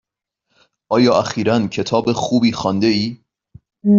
آیا اخیرا کتاب خوبی خوانده ای؟